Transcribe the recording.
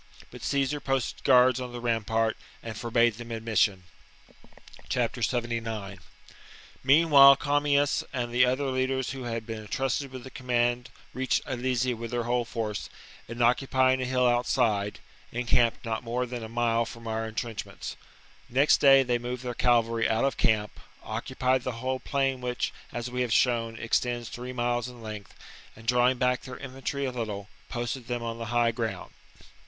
But Caesar posted guards on the rampart, and forbade them admission. 79. Meanwhile Commius and the other leaders Arrival of who had been entrusted with the command of^relS?^ reached Alesia with their whole force, and, occupy ing a hill outside,^ encamped not more than a mile from our entrenchments. Next day they moved their cavalry out of camp, occupied the whole plain which, as we have shown, extends three miles in length, and, drawing back their infantry a little, posted them on the high ground.